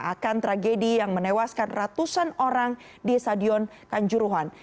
akan tragedi yang menewaskan ratusan orang di stadion kanjuruhan